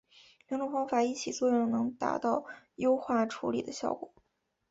两种方法一起作用能达到优化处理的效果。